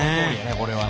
これはね。